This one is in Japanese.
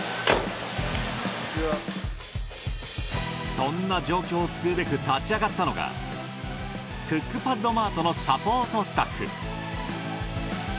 そんな状況を救うべく立ち上がったのがクックパッドマートのサポートスタッフ。